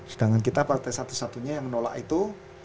sedangkan kita partai satu satunya yang menolak itu